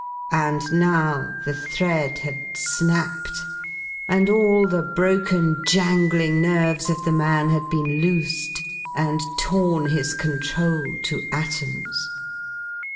And now the thread had snapped, and all the broken, jangling nerves of the man had been loosed and torn his control to atoms.